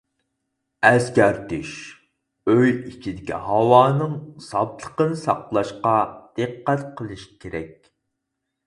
ئەسكەرتىش: ئۆي ئىچىدىكى ھاۋانىڭ ساپلىقىنى ساقلاشقا دىققەت قىلىش كېرەك.